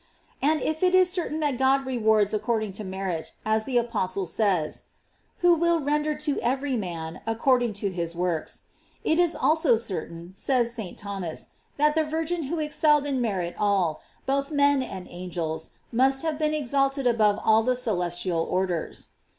507 And if it is certain that God rewards according to merit, as the apostle says, "Who will render to every man according to his works;''* it is also certain, says St. Thomas, that the Virgin who excelled in merit all, both men and angels, must have heen exalted above all the celestial orders.